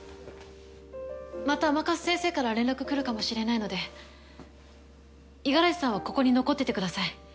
また甘春先生から連絡来るかもしれないので五十嵐さんはここに残っててください。